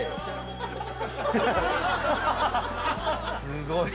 すごい。